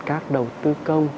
các đầu tư công